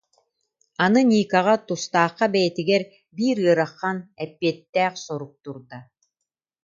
Аны Никаҕа, тустаахха бэйэтигэр биир ыарахан, эппиэттээх сорук турда